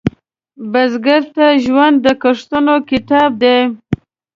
بزګر ته ژوند د کښتونو کتاب دی